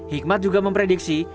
hikmat juga memprediksi